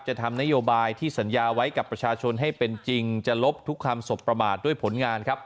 จะทำนโยบายที่สัญญาไว้กับประชาชนให้เป็นจริงจะลบทุกคำสบประมาทด้วยผลงานครับ